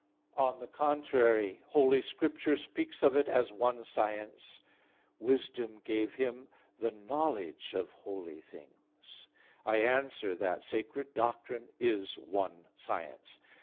On the contrary, Holy Scripture speaks of it as one science: "Wisdom gave him the knowledge [scientiam] of holy things" (Wis. 10:10). I answer that, Sacred doctrine is one science.